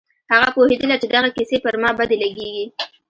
هغه پوهېدله چې دغه کيسې پر ما بدې لگېږي.